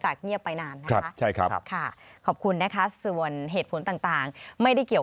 จากเงียบไปนานขอบคุณนะคะส่วนเหตุผลต่างไม่ได้เกี่ยว